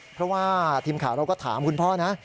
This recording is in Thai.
เพราะว่าทีมข่าวเราก็ถามคุณพ่อนะ